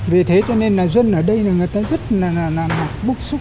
vì thế cho nên là dân ở đây người ta rất là búc xúc